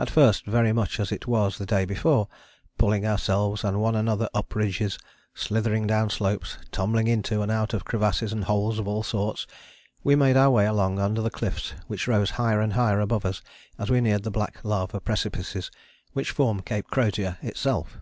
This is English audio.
At first very much as it was the day before pulling ourselves and one another up ridges, slithering down slopes, tumbling into and out of crevasses and holes of all sorts, we made our way along under the cliffs which rose higher and higher above us as we neared the black lava precipices which form Cape Crozier itself.